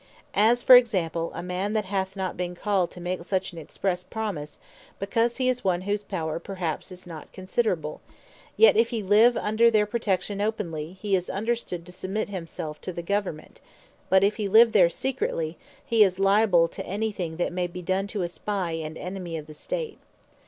As for example, a man that hath not been called to make such an expresse Promise, (because he is one whose power perhaps is not considerable;) yet if he live under their Protection openly, hee is understood to submit himselfe to the Government: But if he live there secretly, he is lyable to any thing that may bee done to a Spie, and Enemy of the State.